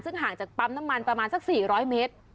ซึ่งห่างจากปั๊มน้ำมันประมาณสัก๔๐๐เมตร